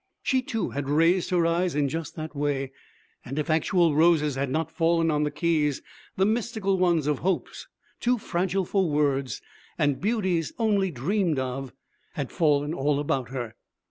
She, too, had raised her eyes in just that way; and if actual roses had not fallen on the keys, the mystical ones of hopes too fragile for words, and beauties only dreamed of, had fallen all about her.